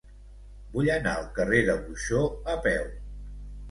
Vull anar al carrer de Buxó a peu.